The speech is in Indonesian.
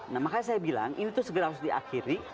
nah makanya saya bilang ini tuh segera harus diakhiri